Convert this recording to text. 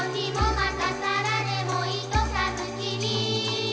「またさらでもいと寒きに」